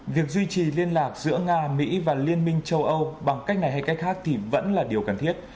việc duy trì liên lạc giữa nga mỹ và liên minh châu âu bằng cách này hay cách khác thì vẫn là điều cần thiết